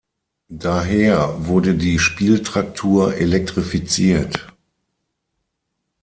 Daher wurde die Spieltraktur elektrifiziert.